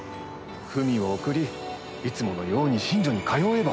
文を送りいつものように寝所に通えば。